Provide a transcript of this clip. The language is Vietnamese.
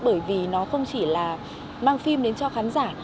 bởi vì nó không chỉ là mang phim đến cho khán giả